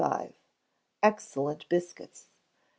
Excellent Biscuits.